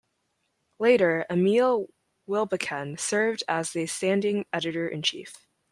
Later, Emil Wilbekin served as the standing Editor-In-Chief.